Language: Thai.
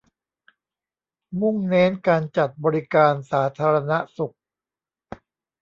มุ่งเน้นการจัดบริการสาธารณสุข